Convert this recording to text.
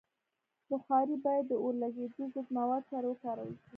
بخاري باید د اورلګیدو ضد موادو سره وکارول شي.